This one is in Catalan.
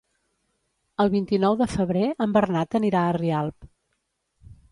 El vint-i-nou de febrer en Bernat anirà a Rialp.